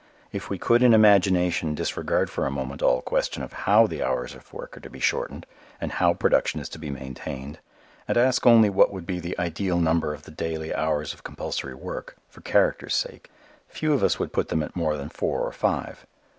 If we could in imagination disregard for a moment all question of how the hours of work are to be shortened and how production is to be maintained and ask only what would be the ideal number of the daily hours of compulsory work, for character's sake, few of us would put them at more than four or five.